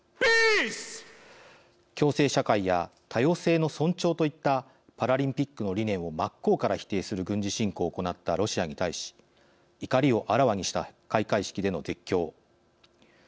共生社会や多様性の尊重といったパラリンピックの理念を真っ向から否定する軍事侵攻を行ったロシアに対し怒りをあらわにした開会式での絶叫。